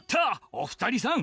お二人さん